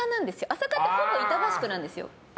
朝霞ってほぼ板橋区なんですよ。